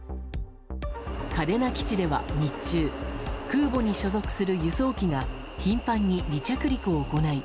嘉手納基地では日中空母に所属する輸送機が頻繁に離着陸を行い。